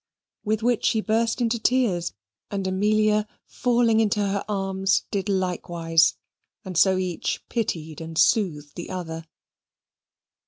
with which she burst into tears, and Amelia falling into her arms, did likewise, and so each pitied and soothed the other.